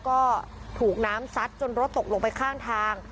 ก็ถูกน้ำซัดจนรถตกลงไปข้างทาง